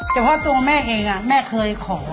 เฉพาะตัวแม่เองแม่เคยขอ